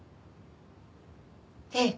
ええ。